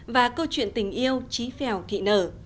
và câu chuyện tình yêu trí phèo thị nở